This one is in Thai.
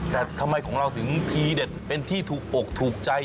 แต่ทำไมของเราถึงทีเด็ดเป็นที่ถูกอกถูกใจ